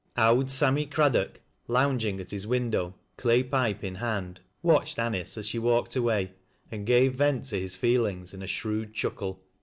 "' Owd Sammy Craddock," lounging at his window^ clay [lijie in hand, watched Anice as she walked away, and [rave vent to his feelings in a shrewd chuckle.